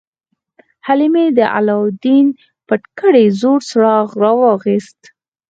حلیمې د علاوالدین پټ کړی زوړ څراغ راواخیست.